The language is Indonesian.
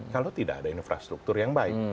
kalau tidak ada infrastruktur yang baik